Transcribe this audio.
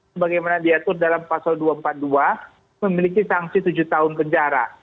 sebagaimana diatur dalam pasal dua ratus empat puluh dua memiliki sanksi tujuh tahun penjara